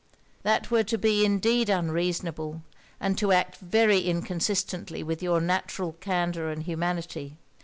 'That were to be indeed unreasonable, and to act very inconsistently with your natural candour and humanity.